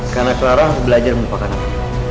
karena clara harus belajar menupakan aku